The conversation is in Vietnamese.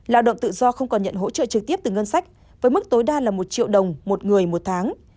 lao động tự do không còn nhận hỗ trợ trực tiếp từ ngân sách với mức tối đa là một triệu đồng một người một tháng